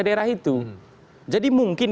daerah itu jadi mungkin